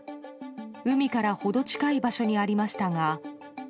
海からほど近い場所にありましたが。